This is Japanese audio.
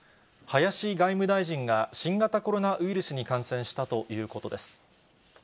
林外務大臣が新型コロナウイルスに感染したということです。